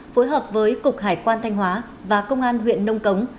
phối hợp với cục hải quan thanh hóa và công an huyện nông cống